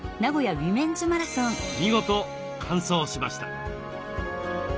見事完走しました。